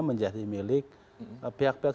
menjadi milik pihak pihak